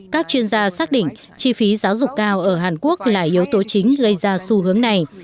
các chuyên gia xác định chi phí giáo dục cao ở hàn quốc là yếu tố chính gây ra xu hướng này